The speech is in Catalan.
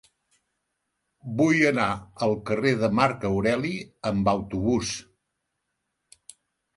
Vull anar al carrer de Marc Aureli amb autobús.